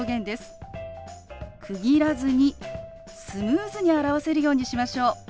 区切らずにスムーズに表せるようにしましょう。